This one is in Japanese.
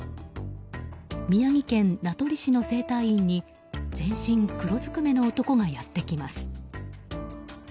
宮城県名取市の整体院に全身黒ずくめの男がやってきます。